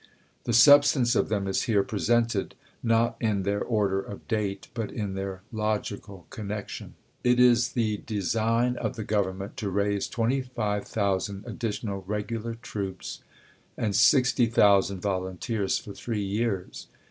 The substance of them is here presented, not in their order of date, but in their logical connection : It is the design of the Government to raise 25,000 ad ditional regular troops, and 60,000 volunteers, for three years.